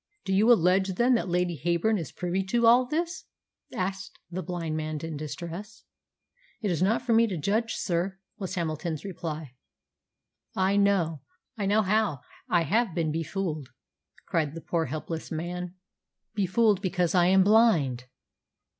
"Do you allege, then, that Lady Heyburn is privy to all this?" asked the blind man in distress. "It is not for me to judge, sir," was Hamilton's reply. "I know! I know how I have been befooled!" cried the poor helpless man, "befooled because I am blind!"